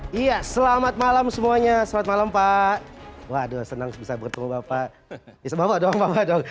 hai iya selamat malam semuanya selamat malam pak waduh senang bisa bertemu bapak bapak bapak